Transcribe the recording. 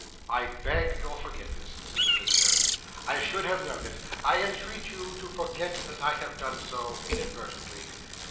"I beg your forgiveness," said the visitor. "I should have known it. I entreat you to forget that I have done so, inadvertently.